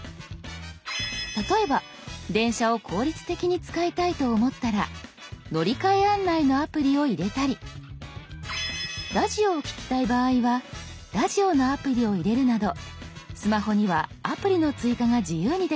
例えば電車を効率的に使いたいと思ったら乗り換え案内のアプリを入れたりラジオを聞きたい場合はラジオのアプリを入れるなどスマホにはアプリの追加が自由にできるんです。